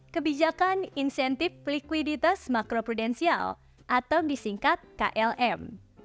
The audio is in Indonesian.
kebijakan insentif liquiditas makroprudensial atau disingkat klm